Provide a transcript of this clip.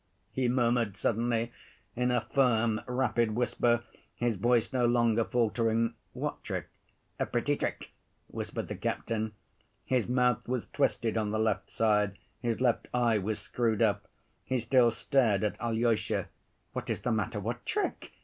he murmured, suddenly, in a firm rapid whisper, his voice no longer faltering. "What trick?" "A pretty trick," whispered the captain. His mouth was twisted on the left side, his left eye was screwed up. He still stared at Alyosha. "What is the matter? What trick?"